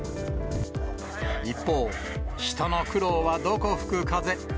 一方、人の苦労はどこ吹く風。